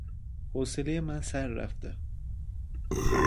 حوصلهی من سررفت.